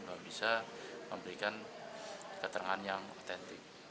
bahwa bisa memberikan keterangan yang otentik